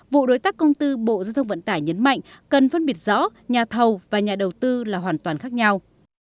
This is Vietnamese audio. vụ đối tác công tư bộ giao thông vận tải nhấn mạnh cần phân biệt rõ nhà thầu và nhà đầu tư là hoàn toàn khác nhau